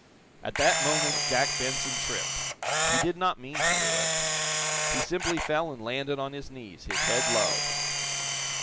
At that moment Jack Benson tripped. He did not mean to do it. He simply fell and landed on his knees, his head low.